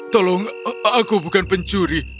tolong aku bukan pencuri